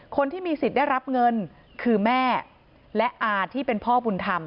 คนที่มีสิทธิ์ได้รับเงินคือแม่และอาที่เป็นพ่อบุญธรรม